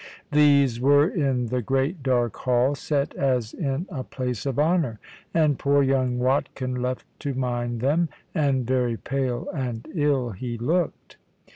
These were in the great dark hall, set as in a place of honour, and poor young Watkin left to mind them; and very pale and ill he looked.